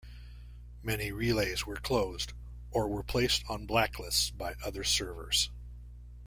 Many relays were closed, or were placed on blacklists by other servers.